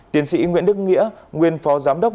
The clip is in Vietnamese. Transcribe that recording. tiến sĩ nguyễn đức nghĩa nguyên phó giám đốc